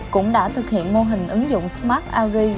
cũng đã thực hiện mô hình ứng dụng smart ary